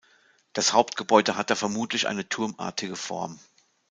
Das Hauptgebäude hatte vermutlich eine turmartige Form.